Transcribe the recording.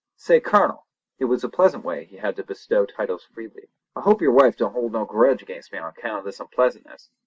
Say Colonel!" it was a pleasant way he had to bestow titles freely—"I hope your wife don't hold no grudge against me on account of this unpleasantness?